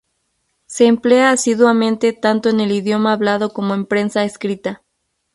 Se emplea asiduamente tanto en el idioma hablado como en prensa escrita.